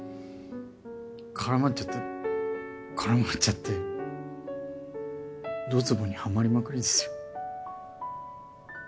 空回っちゃって空回っちゃってドツボにはまりまくりですよ。